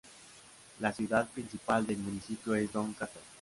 La ciudad principal del municipio es Doncaster.